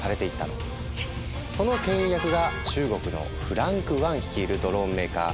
その牽引役が中国のフランク・ワン率いるドローンメーカー。